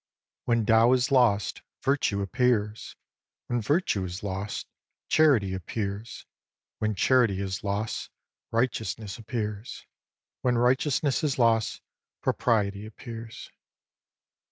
When Tao is lost, Virtue appears ; when Virtue is lost, Charity appears ; when Charity is lost, Righteousness appears ; when Righteousness is lost, Propriety appears.